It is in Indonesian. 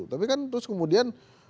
tapi kan terus kemudian